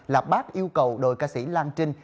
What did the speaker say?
là bác yêu cầu đội ca sĩ lan trinh